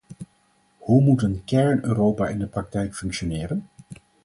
Hoe moet een kern-Europa in de praktijk functioneren?